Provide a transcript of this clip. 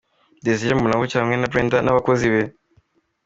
Desire Mbonabucya hamwe na Brenda n'abakozi be.